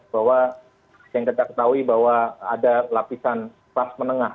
bahwa yang kita ketahui bahwa ada lapisan kelas menengah